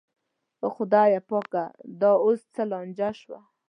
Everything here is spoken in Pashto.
او خدایه پاکه دا اوس څه لانجه شوه.